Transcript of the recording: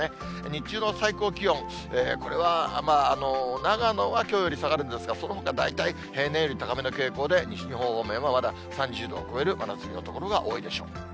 日中の最高気温、これは、長野はきょうより下がるんですが、そのほか大体平年より高めの傾向で、西日本方面は、まだ３０度を超える真夏日の所が多いでしょう。